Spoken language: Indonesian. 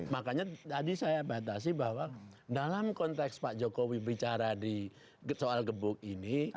makanya tadi saya batasi bahwa dalam konteks pak jokowi bicara di soal gebuk ini